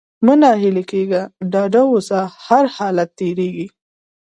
مه ناهيلی کېږه! ډاډه اوسه! هرحالت تېرېږي.